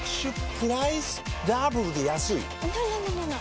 プライスダブルで安いＮｏ！